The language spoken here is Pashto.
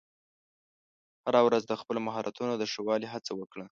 هره ورځ د خپلو مهارتونو د ښه والي هڅه وکړه.